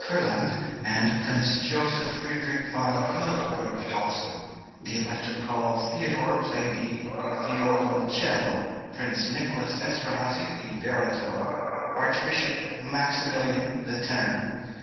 (288) Curland, and Prince Joseph Friedrich von Hildburghausen; the Elector Karl Theodore, played the violoncello, Prince Nicolaus Esterhazy the baritone, Archduke Maximilian the tenor.